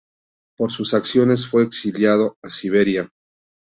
Por sus acciones, fue exiliado a Siberia.